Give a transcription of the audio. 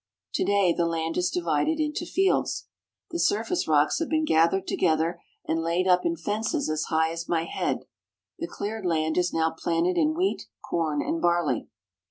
To day the land is divided into fields. The surface rocks have been gathered together and laid up in fences as high as my head. The cleared land is now planted in wheat, corn, and barley.